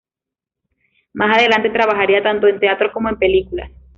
Más adelante, trabajaría tanto en teatro como en películas.